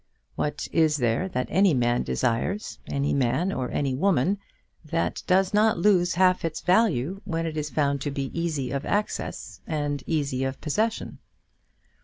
What is there that any man desires, any man or any woman, that does not lose half its value when it is found to be easy of access and easy of possession?